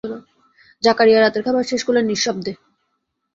জাকারিয়া রাতের খাবার শেষ করলেন নিঃশব্দে।